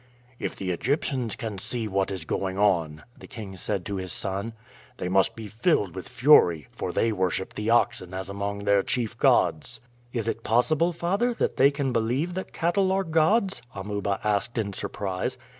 "If the Egyptians can see what is going on," the king said to his son, "they must be filled with fury, for they worship the oxen as among their chief gods." "Is it possible, father, that they can believe that cattle are gods?" Amuba asked in surprise.